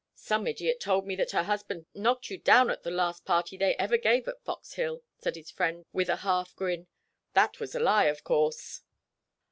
"Some idiot told me that her husband knocked you down at the last party they ever gave at Fox Hill," said his friend, with a half grin; "that was a lie, of course."